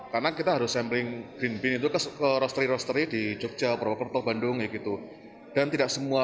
karena kita harus sampling green bean itu ke rosteri rosteri di jogja provokerto bandung dan tidak semua